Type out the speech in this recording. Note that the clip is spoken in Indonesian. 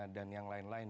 dan yang lain lain